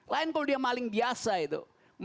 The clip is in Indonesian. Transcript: lain kalau dia maling biasa itu